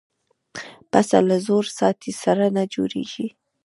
پسه له زور زیاتي سره نه جوړېږي.